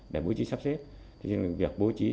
để bố trí sắp xếp thế nhưng việc bố trí